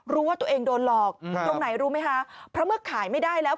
รู้ว่าตัวเองโดนหลอกตรงไหนรู้ไหมคะเพราะเมื่อขายไม่ได้แล้ว